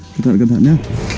cẩn thận cẩn thận nhé